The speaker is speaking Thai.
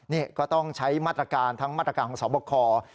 นี่ก็ต้องใช้มาตรการทั้งมาตรการของสอบคอ